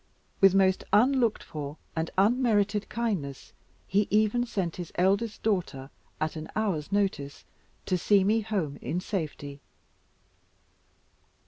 With most unlooked for and unmerited kindness, he even sent his eldest daughter, at an hour's notice, to see me home in safety.